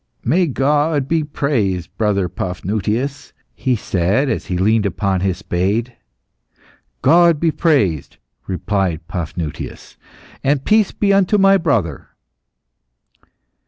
"May God be praised, brother Paphnutius," he said, as he leaned upon his spade. "God be praised!" replied Paphnutius. "And peace be unto my brother."